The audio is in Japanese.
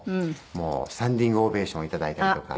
もうスタンディングオベーションいただいたりとか。